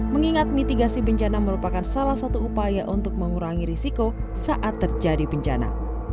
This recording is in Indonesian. mengingat mitigasi bencana merupakan salah satu upaya untuk mengurangi risiko saat terjadi bencana